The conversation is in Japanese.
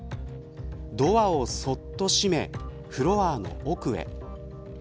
ドアをそっと閉めフロアの奥へ。